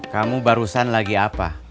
kamu barusan lagi apa